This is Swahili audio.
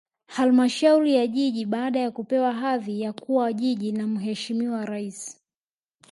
Halmashauri ya Jiji baada ya kupewa hadhi ya kuwa Jiji na Mheshimiwa Rais